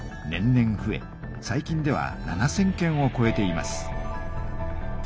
年々ふえ最近では７，０００件をこえています。